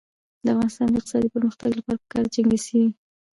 د افغانستان د اقتصادي پرمختګ لپاره پکار ده چې انګلیسي وي.